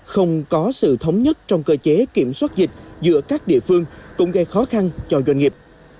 không có sự thống nhất trong cơ chế kiểm soát dịch giữa các địa phương cũng gây khó khăn cho doanh nghiệp